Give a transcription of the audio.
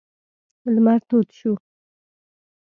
لمر تود شو.